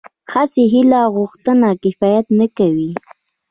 هسې هيله او غوښتنه کفايت نه کوي.